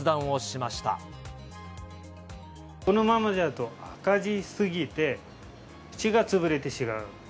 このままだと、赤字すぎて、うちが潰れてしまう。